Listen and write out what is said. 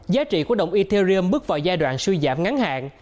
giá trị của đồng interres bước vào giai đoạn suy giảm ngắn hạn